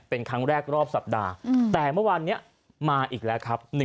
เป็นครั้งแรกรอบสัปดาห์แต่เมื่อวานนี้มาอีกแล้วครับ